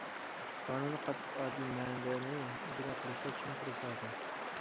قانۇننى قاتتىق، ئادىل، مەدەنىي ئىجرا قىلىشتا چىڭ تۇرۇش لازىم.